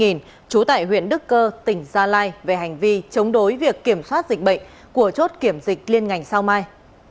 sinh năm hai nghìn trú tại huyện đức cơ tỉnh gia lai về hành vi chống đối việc kiểm soát dịch bệnh của chốt kiểm dịch liên ngành sao mai